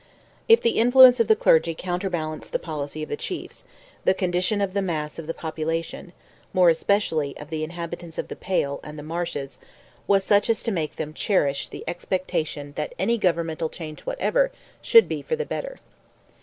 If the influence of the clergy counterbalanced the policy of the chiefs, the condition of the mass of the population—more especially of the inhabitants of the Pale and the marches—was such as to make them cherish the expectation that any governmental change whatever should be for the better.